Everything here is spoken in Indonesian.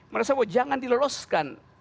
merasa bahwa jangan diloloskan